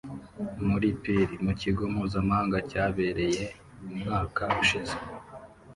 muri pir mu kigo mpuzamahanga cyabereye umwaka ushize